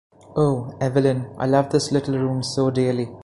Oh, Evelyn, I love this little room so dearly.